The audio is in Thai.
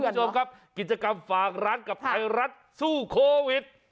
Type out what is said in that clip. คุณผู้ชมครับกิจกรรมฝากร้านกับไทยรัฐสู้โควิด